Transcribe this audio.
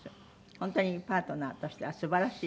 本当にパートナーとしては素晴らしい。